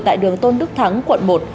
tại đường tôn đức thắng quận một